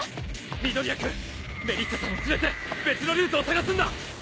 緑谷君メリッサさんを連れて別のルートを探すんだ！